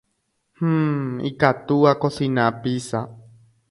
Hmm. Ikatu akosina pizza.